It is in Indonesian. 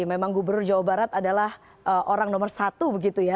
memang gubernur jawa barat adalah orang nomor satu begitu ya